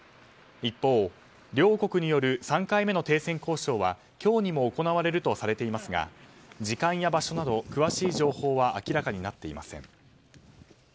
一方、両国による３回目の停戦交渉は今日にも行われるとされていますが時間や場所など詳しい情報は明らかになっていません。